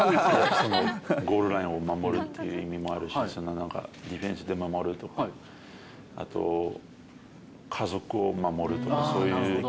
ゴールラインを守るという意味もあるし、ディフェンスで守るとか、あと、家族を守るとか、そういう。